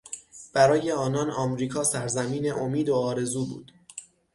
برای آنان امریکا سرزمین امید و آرزو بود.